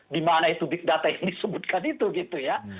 di mana itu big data yang disebutkan itu gitu ya